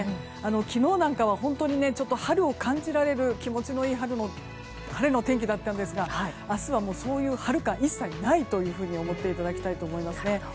昨日なんかは本当に春を感じられる気持ちのいい晴れのお天気だったんですが明日はそういうのは一切ないと思っていただきたいですね。